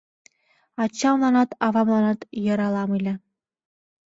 Ачамланат-авамланат йӧралам ыле.